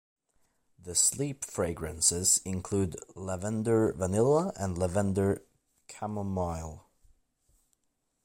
The sleep fragrances include, lavender vanilla and lavender chamomile.